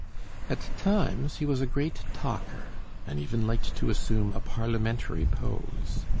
At times he was a great talker, and even liked to assume a parliamentary pose.